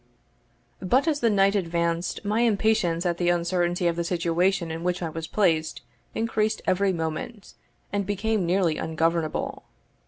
But as the night advanced my impatience at the uncertainty of the situation in which I was placed increased every moment, and became nearly ungovernable.